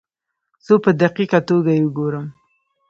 څو په دقیقه توګه یې وګورم.